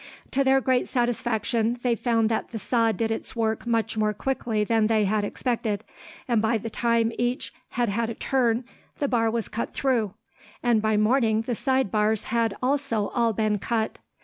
To their great satisfaction, they found that the saw did its work much more quickly than they had expected, and by the time each had had a turn the bar was cut through; and by morning the side bars had also all been cut.